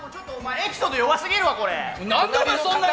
エピソード弱すぎんだろ！